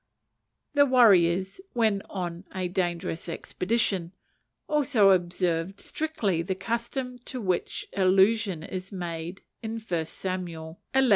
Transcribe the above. The warriors, when on a dangerous expedition, also observed strictly the custom to which allusion is made in 1st Samuel, xxi.